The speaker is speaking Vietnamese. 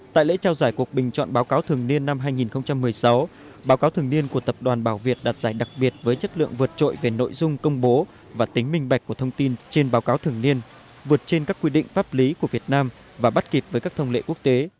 tại lễ trao giải cuộc bình chọn báo cáo thường niên năm hai nghìn một mươi sáu báo cáo thường niên của tập đoàn bảo việt đạt giải đặc biệt với chất lượng vượt trội về nội dung công bố và tính minh bạch của thông tin trên báo cáo thường niên vượt trên các quy định pháp lý của việt nam và bắt kịp với các thông lệ quốc tế